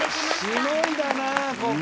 しのいだなここ。